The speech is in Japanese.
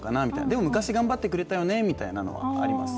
でも昔頑張ってくれたよなみたいなのはあります。